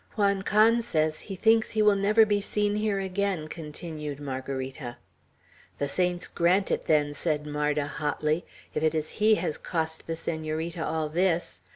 "Juan Can says he thinks he will never be seen here again," continued Margarita. "The saints grant it, then," said Marda, hotly, "if it is he has cost the Senorita all this!